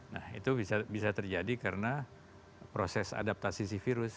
nah itu bisa terjadi karena proses adaptasi si virus